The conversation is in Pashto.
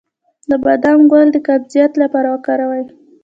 د بادام ګل د قبضیت لپاره وکاروئ